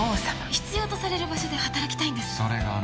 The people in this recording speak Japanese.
必要とされる場所で働きたいんです。